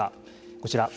こちら。